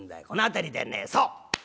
この辺りでねそう！